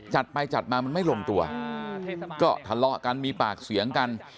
จัดไปจัดมามันไม่ลงตัวก็ทะเลาะกันมีปากเสียงกัน